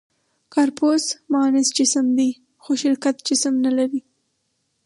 «کارپوس» معنس جسم دی؛ خو شرکت جسم نهلري.